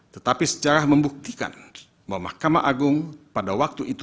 tetapi sejarah membuktikan bahwa mahkamah agung pada waktu itu